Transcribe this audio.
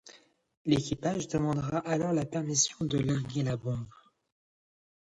L'équipage demanda alors la permission de larguer la bombe.